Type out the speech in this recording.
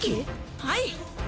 はい！